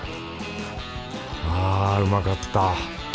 あぁうまかった。